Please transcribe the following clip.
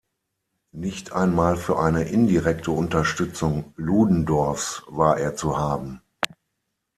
Nicht einmal für eine indirekte Unterstützung Ludendorffs war er zu haben.